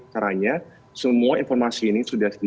caranya semua informasi ini sudah